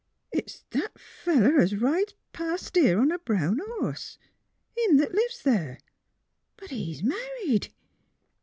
it's that fellow 'at rides a past here on a brown horse, — him that lives there! But he's married.